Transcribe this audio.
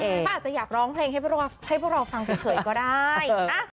อาจจะอยากร้องเพลงให้พวกเราให้พวกเราฟังเฉยก็ได้